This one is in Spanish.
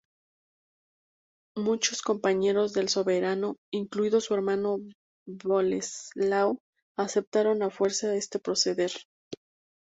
Muchos compañeros del soberano, incluido su hermano Boleslao, aceptaron a la fuerza este proceder.